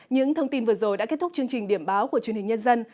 những thông tin vừa rồi đã kết thúc chương trình điểm báo của truyền hình nhân dân